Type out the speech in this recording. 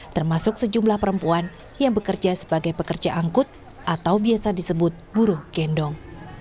termasuk sejumlah perempuan yang bekerja sebagai pekerja angkut atau biasa disebut buruh gendong